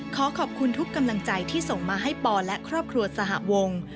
ขอขอบคุณทุกกำลังใจที่ส่งมาให้ปอและครอบครัวสหวง